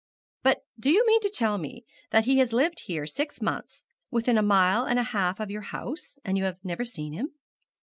But do you mean to tell me that he has lived here six months, within a mile and a half of your house, and you have never seen him?'